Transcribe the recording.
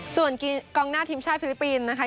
ส่วนกองหน้าทีมชาติฟิลิปปินส์นะคะ